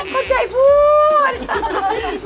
เข้าใจพูด